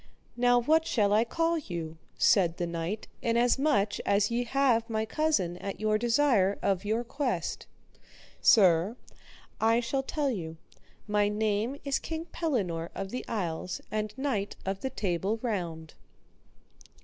Now, what shall I call you? said the knight, inasmuch as ye have my cousin at your desire of your quest. Sir, I shall tell you, my name is King Pellinore of the Isles and knight of the Table Round.